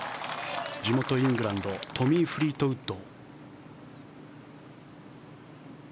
地元イングランドトミー・フリートウッド。